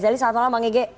jadinya saat malam bang ege